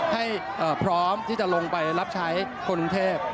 ให้พร้อมที่จะลงไปรับใช้คนกรุงเทพ